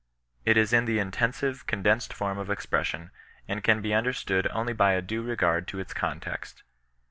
It is in the irUensive, con densed form of expression, and can be understood only by a due regard to its context.